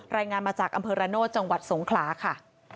รายงานมาจากอำเภอระโนธจังหวัดสงขลาค่ะ